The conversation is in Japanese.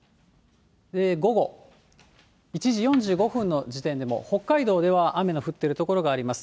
午後、１時４５分の時点でも、北海道では雨の降っている所があります。